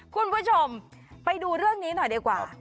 คุณผู้ชมไปดูเรื่องนี้หน่อยดีกว่า